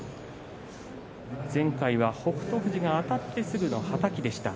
前回は北勝富士があたってすぐのはたきでした。